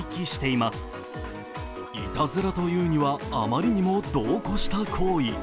いたずらというにはあまりにも度を越した行為。